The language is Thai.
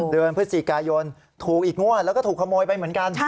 เดือนพฤศจิกายนถูกอีกงวดแล้วก็ถูกขโมยไปเหมือนกัน